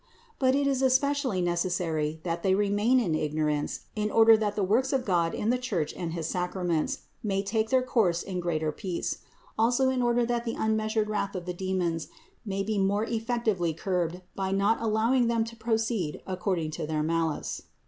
But it is especially necessary that they remain in ignorance in order that the works of God in the Church and his sacraments may take their course in greater peace ; also in order that the unmeasured wrath of the demons may be more effectively curbed by not allowing them to proceed according to their malice.